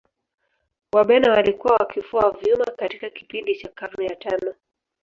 Wabena walikuwa wakifua vyuma katika kipindi cha karne ya tano